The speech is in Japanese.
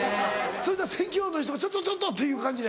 そしたら天気予報の人が「ちょっと！」っていう感じで？